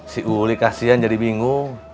si uli kasian jadi bingung